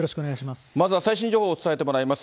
まずは最新情報を伝えてもらいます。